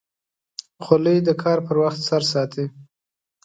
خولۍ د کار پر وخت سر ساتي.